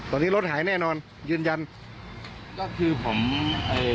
ตอนนี้รถหายแน่นอนยืนยันก็คือผมเอ่อ